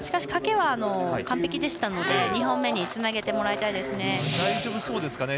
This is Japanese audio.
かけは完璧でしたので２本目につないでもらいたいです。